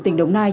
tỉnh đồng nai